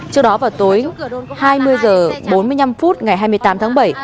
trước đó vào tối hai mươi h bốn mươi năm phút ngày hai mươi tám tháng bảy